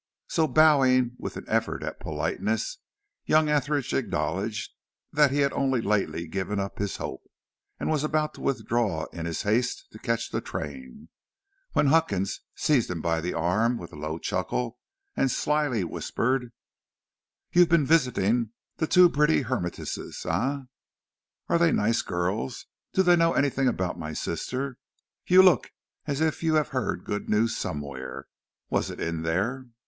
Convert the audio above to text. So bowing with an effort at politeness, young Etheridge acknowledged that he had only lately given up his hope, and was about to withdraw in his haste to catch the train, when Huckins seized him by the arm with a low chuckle and slyly whispered: "You've been visiting the two pretty hermitesses, eh? Are they nice girls? Do they know anything about my sister? You look as if you had heard good news somewhere. Was it in there?"